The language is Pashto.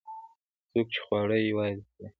څوک چې خواړه یوازې خوري.